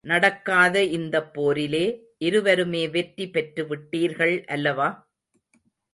நடக்காத இந்தப் போரிலே, இருவருமே வெற்றி பெற்றுவிட்டீர்கள் அல்லவா?